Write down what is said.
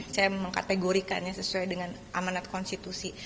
saya mengkategorikannya sesuai dengan amanat konstitusi